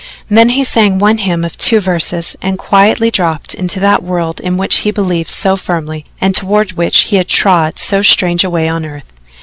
Then he sang one hymn of two verses and quietly dropped into that world in which he believed so firmly and toward which he had trod so strange a way on earth.